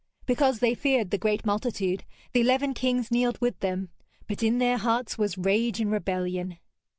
Because they feared the great multitude, the eleven kings kneeled with them, but in their hearts was rage and rebellion.